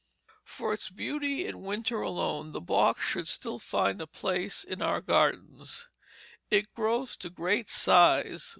For its beauty in winter alone, the box should still find a place in our gardens. It grows to great size.